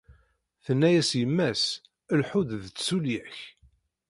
Tenna-as yemma-s lhu-d d tsulya-k.